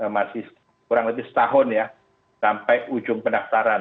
masih kurang lebih setahun ya sampai ujung pendaftaran